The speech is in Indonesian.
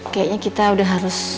kayaknya kita udah harus